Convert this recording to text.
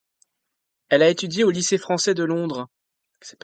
Elle a étudié au lycée français de Londres.